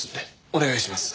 お願いします。